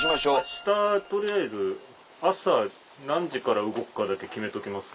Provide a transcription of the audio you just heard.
明日取りあえず朝何時から動くかだけ決めときます？